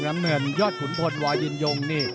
น้ำเงินยอดขุนพลวอยินยงนี่